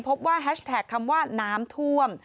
แฮชแท็กคำว่าน้ำท่วม